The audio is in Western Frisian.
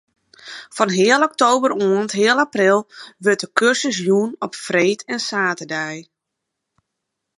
Fan heal oktober oant heal april wurdt de kursus jûn op freed en saterdei.